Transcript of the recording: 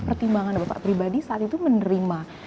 pertimbangan apa pak pribadi saat itu menerima